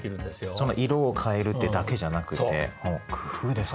その色を変えるってだけじゃなくて工夫ですか。